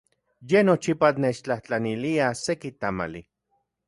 Ye nochipa nechtlajtlanilka seki tamali.